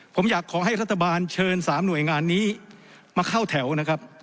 ผมอยากขอให้รัฐบาลเชิญ๓หน่วยงานนี้มาเข้าแถวนะครับ